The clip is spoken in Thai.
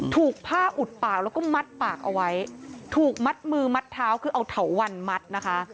ถูกผ้าอุดปากแล้วก็มัดปากเอาไว้ถูกมัดมือมัดเท้าคือเอาเถาวันมัดนะคะ